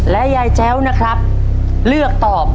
และยายแจ้วนะครับเลือกตอบ